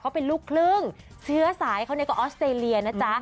เขาเป็นลูกครึ่งเชื้อสายเขาเนี่ยก็ออสเตรเลียนะจ๊ะ